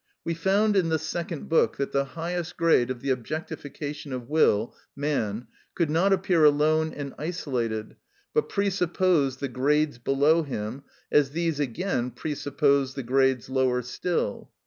We found in the second book that the highest grade of the objectification of will, man, could not appear alone and isolated, but presupposed the grades below him, as these again presupposed the grades lower still.